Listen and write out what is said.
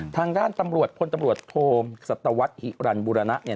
ทางด้านตำรวจพลตำรวจโธมสัตวัสธิรันด์บุรณะ